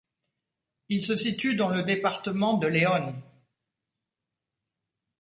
Il se situe dans le département de León.